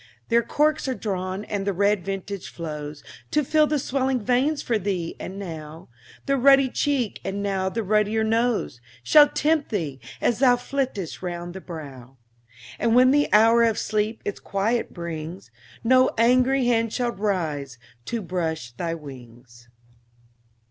There corks are drawn, and the red vintage flows, To fill the swelling veins for thee, and now The ruddy cheek and now the ruddier nose Shall tempt thee, as thou flittest round the brow; And when the hour of sleep its quiet brings, No angry hand shall rise to brush thy wings.